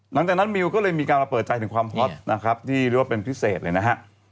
มิวก็เลยมีการมาเปิดใจถึงความฮอตนะครับที่เรียกว่าเป็นพิเศษเลยนะฮะ